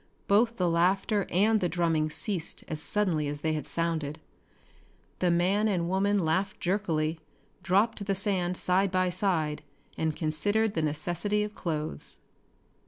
Both the laughter and the drumming ceased as suddenly as they had sounded. The man and woman laughed jerkily, dropped to the sand side by side and considered the necessity of clothes.